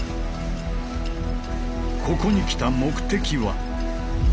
ここに来た目的は。